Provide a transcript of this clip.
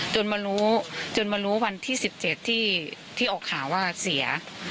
จนมารู้จนมารู้วันที่๑๗ที่ออกข่าวว่าเสีย